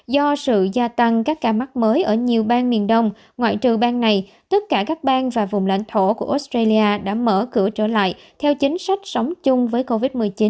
do sự gia tăng các ca mắc mới ở nhiều bang miền đông ngoại trừ bang này tất cả các bang và vùng lãnh thổ của australia đã mở cửa trở lại theo chính sách sống chung với covid một mươi chín